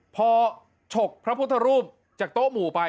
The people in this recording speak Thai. พอฉกพระพุทธรูปจากโต๊ะหมู่ไป